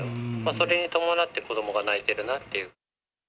それに伴って、子どもが泣いてるなっていう。